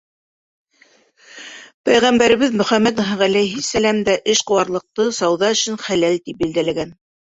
Пәйғәмбәребеҙ Мөхәммәт ғәләйһис-сәләм дә эшҡыуарлыҡты, сауҙа эшен хәләл тип билдәләгән.